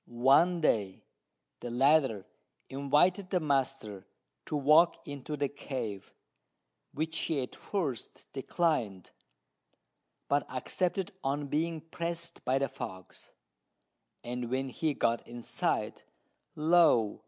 One day the latter invited the master to walk into the cave, which he at first declined, but accepted on being pressed by the fox; and when he got inside, lo!